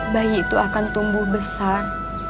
bayi itu akan tumbuh besar